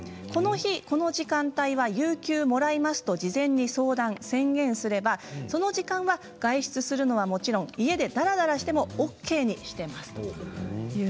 この日この時間帯は有休をもらいます、と事前に相談宣言すればその時間は外出するのはもちろん家でだらだらしてもＯＫにしています。